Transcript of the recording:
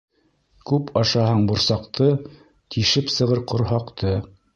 Күп ашаһаң борсаҡты -Тишеп сығыр ҡорһаҡты.